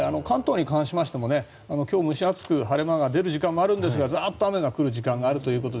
関東に関しましても今日は蒸し暑く晴れ間が出る時間もあるんですがザーッと雨が降る時間もあるということで